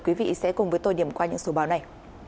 quý vị sẽ cùng với tôi điểm qua những số báo này